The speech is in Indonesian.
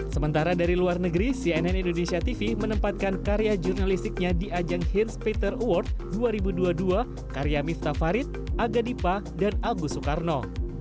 sementara dari luar negeri cnn indonesia tv menempatkan karya jurnalistiknya di ajang hins peter award dua ribu dua puluh dua karya miftah farid aga dipa dan agus soekarno